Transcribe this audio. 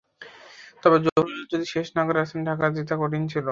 তবে জহুরুল যদি শেষ করে না আসতেন, ঢাকার জেতা কঠিনই ছিল।